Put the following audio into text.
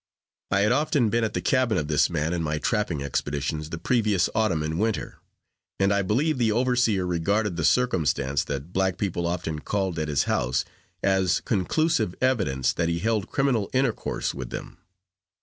I had often been at the cabin of this man in my trapping expeditions, the previous autumn and winter; and I believe the overseer regarded the circumstance, that black people often called at his house, as conclusive evidence that he held criminal intercourse with them.